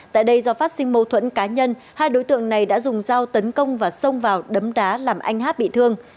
tại đây do phát sinh mâu thuẫn cá nhân hai đối tượng này đã dùng dao tấn công và xông vào đấm đá làm anh hát bị thương